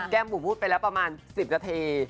แก้มบุมพูดไปแล้วประมาณ๑๐นาที